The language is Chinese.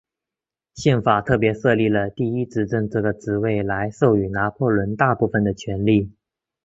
宪法特别设立了第一执政这个职位来授予拿破仑大部分的权力。